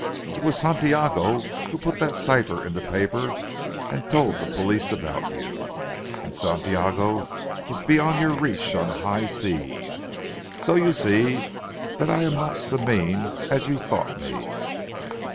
It was Santiago who put that cipher in the paper and told the police about you. And Santiago is beyond your reach on the high seas. So you see that I am not so mean, as you thought me."